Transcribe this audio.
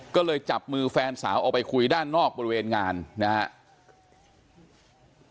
ก็เลยจับมือแฟนสาวออกไปคุยด้านนอกบริเวณงานนะครับ